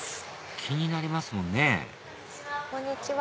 気になりますもんねこんにちは。